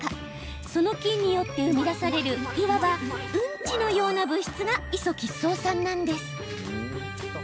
その菌によって生み出されるいわば、うんちのような物質がイソ吉草酸なんです。